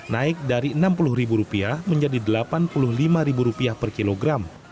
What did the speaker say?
naik dari rp enam puluh menjadi rp delapan puluh lima per kilogram